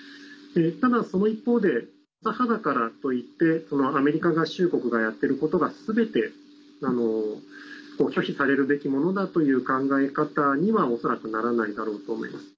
ただ、その一方で左派だからといってアメリカ合衆国がやっていることがすべて拒否されるべきものだという考え方には恐らくならないだろうと思います。